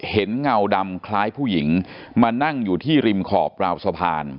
เงาดำคล้ายผู้หญิงมานั่งอยู่ที่ริมขอบราวสะพาน